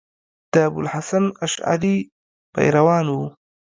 د ابو الحسن اشعري پیروان وو.